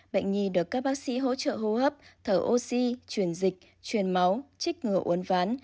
bệnh nhi được các bác sĩ hỗ trợ hô hấp thở oxy chuyển dịch chuyển máu trích ngựa uốn ván